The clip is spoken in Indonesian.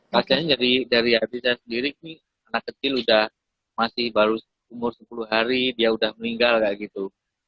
pasien dari hati saya sendiri anak kecil udah masih baru umur sepuluh hari dia udah meninggal kayak gitu